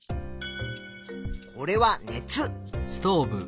これは熱。